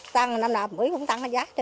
tăng năm nào cũng tăng giá chứ